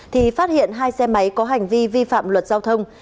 thì phát hiện hai xe máy có hành vi vi phạm luật giao thông